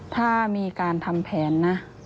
ถ้ามีการทำแผนนะ